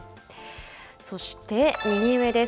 そして右上です。